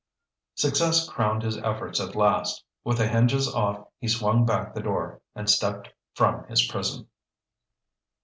Success crowned his efforts at last. With the hinges off, he swung back the door and stepped from his prison.